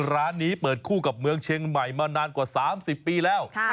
ร้านนี้เปิดคู่กับเมืองเชียงใหม่มานานกว่า๓๐ปีแล้ว